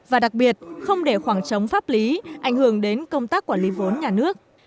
và đặc biệt không để khoảng trống pháp lý ảnh hưởng đến công tác quản lý vốn nhà nước